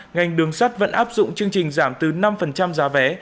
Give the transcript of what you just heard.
ngành đường sắt vẫn áp dụng chương trình giảm từ năm giá vé